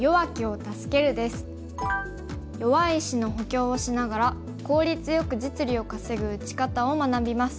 弱い石の補強をしながら効率よく実利を稼ぐ打ち方を学びます。